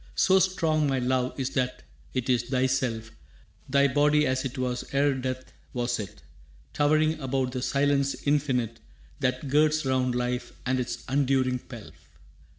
«So strong my love is that it is thyself, Thy body as it was ere death was it, Towering above the silence infinite That girds round life and its unduring pelf.